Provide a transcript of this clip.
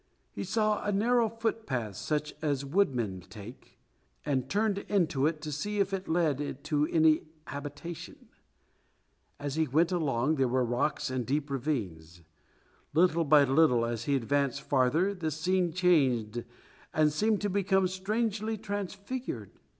He saw a narrow footpath, such as woodmen take, and turned into it to see if it led to any habitation. As he went along there were rocks and deep ravines. Little by little, as he advanced farther, the scene changed and seemed to become strangely transfigured.